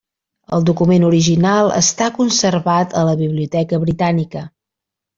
El document original està conservat a la Biblioteca Britànica.